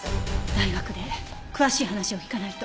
大学で詳しい話を聞かないと。